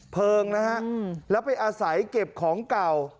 เพลิงนะฮะแล้วไปอาศัยเก็บของเก่า